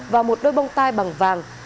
và một đôi bông tai bằng vàng